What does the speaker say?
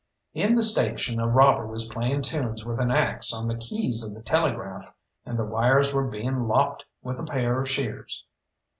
In the station a robber was playing tunes with an axe on the keys of the telegraph, and the wires were being lopped with a pair of shears.